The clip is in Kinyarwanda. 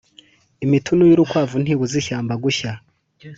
Imitunu y’urukwavu ntibuza ishyamba gushya.